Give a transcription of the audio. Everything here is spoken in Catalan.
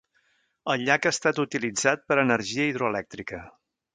El llac ha estat utilitzat per a energia hidroelèctrica.